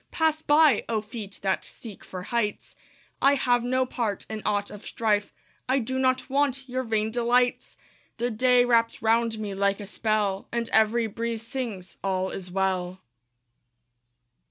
Pass by, oh, feet that seek for heights! I have no part in aught of strife; I do not want your vain delights. The day wraps round me like a spell, And every breeze sings, "All is well."